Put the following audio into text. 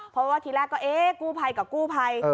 เพราะว่าทีแรกก็กู้ไพกับกู้ไพ